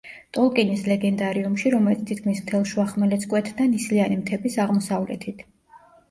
ტოლკინის ლეგენდარიუმში, რომელიც თითქმის მთელ შუახმელეთს კვეთდა, ნისლიანი მთების აღმოსავლეთით.